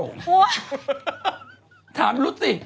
มีคลามหลุดสิ